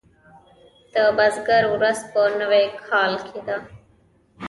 د بزګر ورځ په نوي کال کې ده.